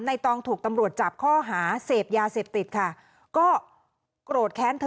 ตองถูกตำรวจจับข้อหาเสพยาเสพติดค่ะก็โกรธแค้นเธอ